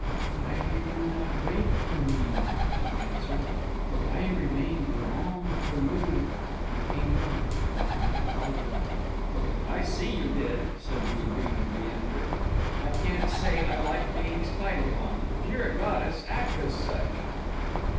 "Why did you not wait for me?" she answered. "I remained long for you; you came not, and I followed." "I see you did," said the aggrieved Leander; "I can't say I like being spied upon. If you're a goddess, act as such!"